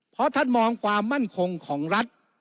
เพราะท่านมองความมั่นคงของรัฐ